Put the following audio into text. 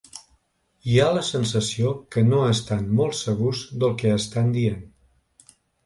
Hi ha la sensació que no estan molt segurs del que estan dient.